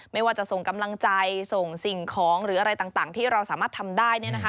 ไม่ว่าจะส่งกำลังใจส่งสิ่งของหรืออะไรต่างที่เราสามารถทำได้